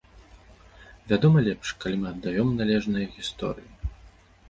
Вядома, лепш, калі мы аддаём належнае гісторыі.